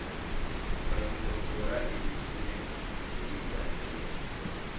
Ushobora gukosora iyi pine iringaniye?